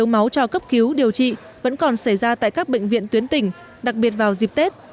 máu cho cấp cứu điều trị vẫn còn xảy ra tại các bệnh viện tuyến tỉnh đặc biệt vào dịp tết